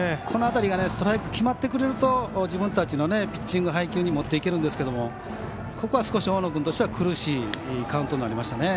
この辺りがストライク決まってくれると自分たちのピッチング配球に持っていけるんですけどここは少し大野君としては苦しいカウントになりました。